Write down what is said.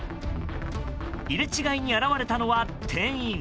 入れ違いに現れたのは店員。